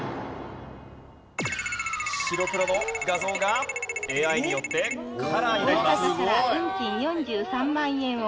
白黒の画像がＡＩによってカラーになります。